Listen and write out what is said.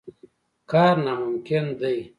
کار ناممکن دی.